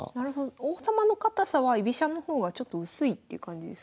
王様の堅さは居飛車の方がちょっと薄いっていう感じですか？